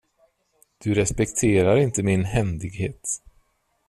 Du respekterar inte min händighet.